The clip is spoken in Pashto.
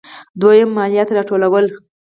دویم: مالیات راټولول.